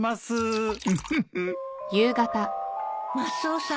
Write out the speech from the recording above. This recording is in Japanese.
マスオさん